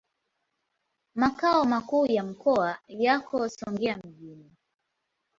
Makao makuu ya mkoa yako Songea mjini.